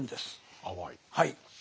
はい。